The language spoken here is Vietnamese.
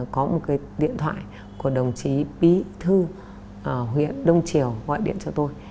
có một cái điện thoại của đồng chí bí thư ở huyện đông triều gọi điện cho tôi